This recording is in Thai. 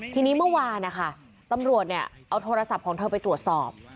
ทีนี้เมื่อวานนะคะตำรวจเนี่ยเอาโทรศัพท์ของเธอไปตรวจสอบ